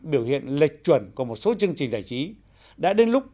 biểu hiện lệch chuẩn của một số chương trình giải trí đã đến lúc